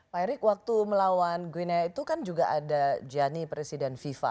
pak erick waktu melawan gwina itu kan juga ada gianni presiden fifa